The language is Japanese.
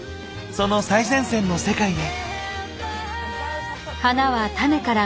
その最前線の世界へ。